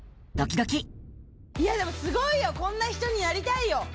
いや、でもすごいよ、こんな人になりたいよ！